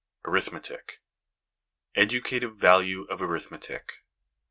XV. ARITHMETIC Educative Value of Arithmetic.